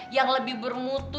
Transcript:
yang lebih bermutu